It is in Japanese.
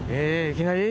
いきなり？